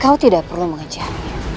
kau tidak perlu mengejar